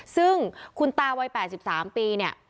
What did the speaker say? ซึ่งคุณตาวัย๘๓ปีเนี่ย